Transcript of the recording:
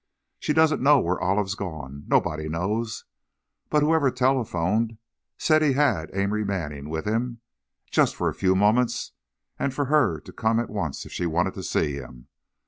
She doesn't know where Olive's gone, nobody knows, but whoever telephoned said he had Amory Manning with him, just for a few moments and for her to come at once if she wanted to see him.